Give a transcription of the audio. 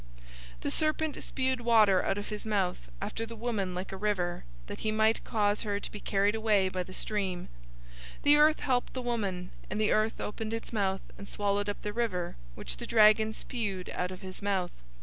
012:015 The serpent spewed water out of his mouth after the woman like a river, that he might cause her to be carried away by the stream. 012:016 The earth helped the woman, and the earth opened its mouth and swallowed up the river which the dragon spewed out of his mouth.